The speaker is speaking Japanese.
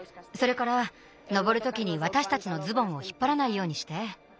それからのぼるときにわたしたちのズボンをひっぱらないようにして。